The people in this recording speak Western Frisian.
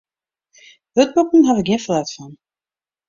Wurdboeken haw ik gjin ferlet fan.